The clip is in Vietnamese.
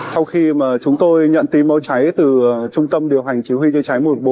sau khi chúng tôi nhận tìm mẫu cháy từ trung tâm điều hành chứa hỏa